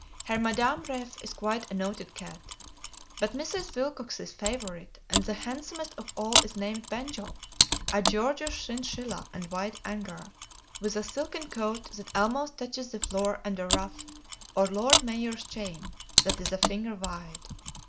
Her Madame Ref is quite a noted cat, but Mrs. Wilcox's favorite and the handsomest of all is named Banjo, a gorgeous chinchilla and white Angora, with a silken coat that almost touches the floor and a ruff, or "lord mayor's chain," that is a finger wide.